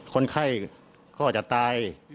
คนไข้ก็จะตาย